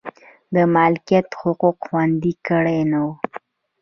د مالکیت حقوق خوندي کړي نه و.